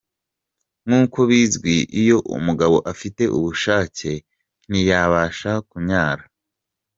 Nkuko bizwi, iyo umugabo afite ubushake, ntiyabasha kunyara.